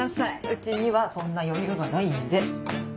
うちにはそんな余裕はないんで。